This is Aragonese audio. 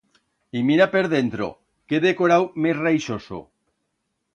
Y mira per dentro, qué decorau mes raixoso...